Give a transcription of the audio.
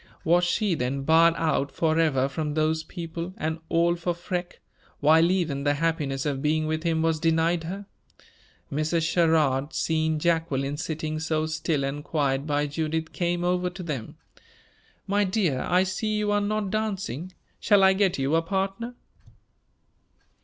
Was she then barred out forever from those people, and all for Freke, while even the happiness of being with him was denied her? Mrs. Sherrard, seeing Jacqueline sitting so still and quiet by Judith, came over to them. "My dear, I see you are not dancing; shall I get you a partner?"